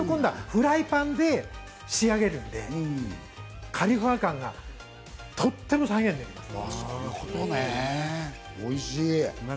フライパンで仕上げるんで、カリフワ感がとっても出るんです。